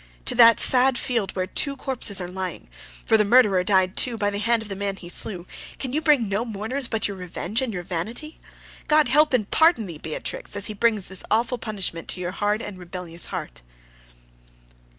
to that sad field where two corpses are lying for the murderer died too by the hand of the man he slew can you bring no mourners but your revenge and your vanity? God help and pardon thee, Beatrix, as he brings this awful punishment to your hard and rebellious heart."